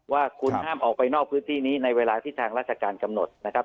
ว่าคุณห้ามออกไปนอกพื้นที่นี้ในเวลาที่ทางราชการกำหนดนะครับ